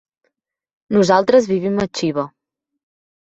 Nosaltres vivim a Xiva.